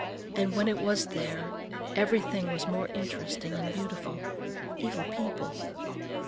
And when it was there, everything was more interesting and beautiful, even people.